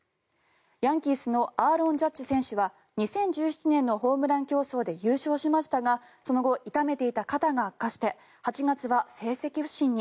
ヤンキースのアーロン・ジャッジ選手は２０１７年のホームラン競争で優勝しましたがその後、痛めていた肩が悪化して８月は成績不振に。